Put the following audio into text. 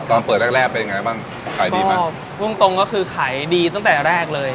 เปิดแรกแรกเป็นยังไงบ้างขายดีไหมพูดตรงตรงก็คือขายดีตั้งแต่แรกเลย